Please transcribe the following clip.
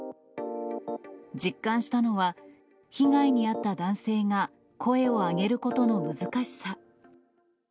実感したのは、被害に遭った男性が声を上げることの難しさ。